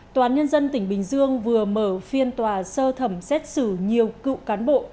tòa án nhân dân tỉnh bình dương vừa mở phiên tòa sơ thẩm xét xử nhiều cựu cán bộ